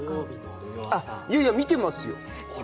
いやいや、見てますよ。